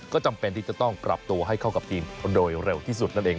ก็จำเป็นที่จะต้องปรับตัวให้เข้ากับทีมโดยเร็วที่สุดนั่นเอง